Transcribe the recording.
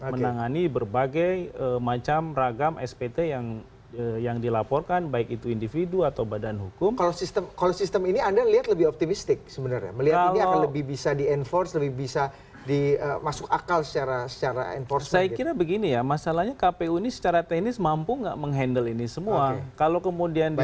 menangani berbagai macam ragam spt yang dilaporkan baik itu individu atau badan hukum